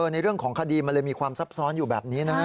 ในเรื่องของคดีมันเลยมีความซับซ้อนอยู่แบบนี้นะ